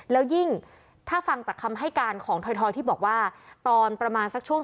แล้วยิ่งถ้าฟังจากคำให้การของถอยที่บอกว่าตอนประมาณสักช่วง